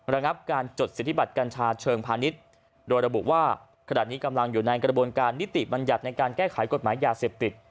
ระงับการจดสิทธิบัติกัญชาเชิงพาณิชย์โดยระบุว่าขณะนี้กำลังอยู่ในกระบวนการนิติบัญญัติในการแก้ไขกฎหมายยาเสพติด